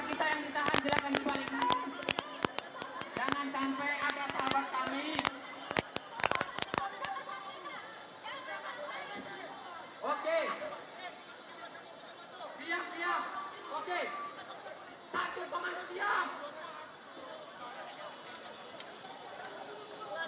satu komando diam